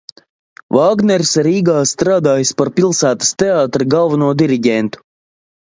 Vāgners Rīgā strādājis par Pilsētas teātra galveno diriģentu.